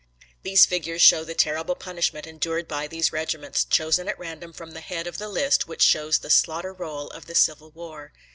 These figures show the terrible punishment endured by these regiments, chosen at random from the head of the list which shows the slaughter roll of the Civil War.